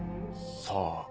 さあ。